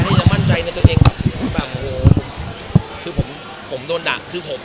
นี่จะมั่นใจในตัวเองแบบโอ้โหคือผมผมโดนด่าคือผม